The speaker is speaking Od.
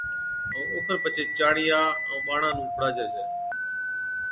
ائُون اوکن پڇي چاڙِيا ائُون ٻاڙان نُون کُڙاجَي ڇَي